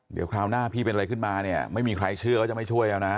เดี๋ยวคราวหน้าพี่เป็นอะไรขึ้นมาเนี่ยไม่มีใครเชื่อเขาจะไม่ช่วยเอานะ